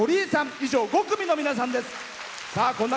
以上、５組の皆さんです。